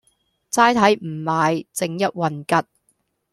齋睇唔買，正一運吉